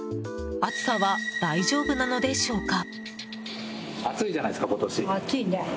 暑さは大丈夫なのでしょうか？